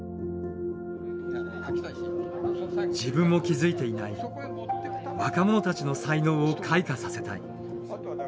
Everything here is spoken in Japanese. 自分も気付いていない若者たちの才能を開花させたい。